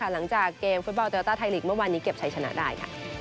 หลังจากเกมฟุตเบาเตอร์เตอร์ไทยลีกส์เมื่อวานนี้เก็บใช้ชนะได้